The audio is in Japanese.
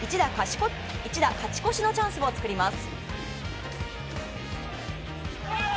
一打勝ち越しのチャンスを作ります。